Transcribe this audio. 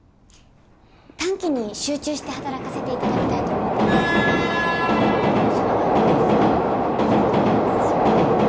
短期に集中して働かせていただきたいと思ってます。